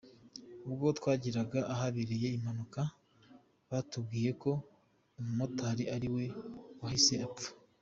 Ubwo twageraga ahabereye impanuka batubwiye ko umumotari ariwe wahise apfa.